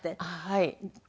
はい。